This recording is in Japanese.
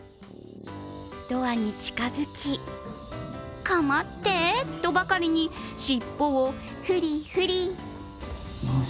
ドアに近づき構ってとばかりに尻尾をフリフリ。